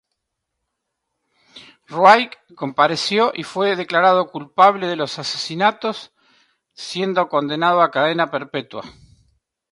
Wright compareció y fue declarado culpable de los asesinatos siendo condenado a cadena perpetua..